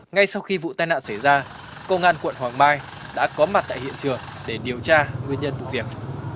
ngay sau khi vụ tai nạn xảy ra công an quận hoàng mai đã có mặt tại hiện trường để điều tra nguyên nhân vụ việc